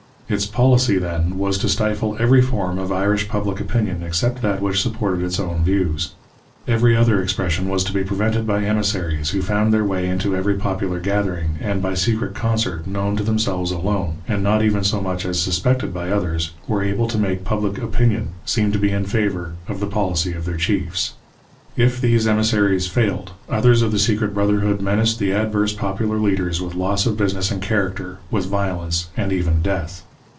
Its policy, then, was to stifle every form of Irish public opinion except that which supported its own views. Every other expression was to be prevented by emissaries, who found their way into every popular gathering, and by secret concert, known to themselves alone, and not even so much as suspected by others, were able to make "pubhc opinion " seem to be in favour of the policy of their chiefs. If these emissaries failed, others of the secret brotherhood menaced the adverse popular leaders with loss of busiuess and character, with violence, and even death.